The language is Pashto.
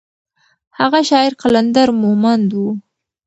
هغه شاعر قلندر مومند و.